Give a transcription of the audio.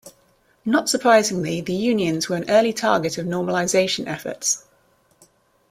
Not surprisingly, the unions were an early target of "normalization" efforts.